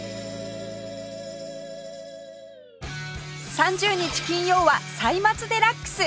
３０日金曜は『歳末デラックス』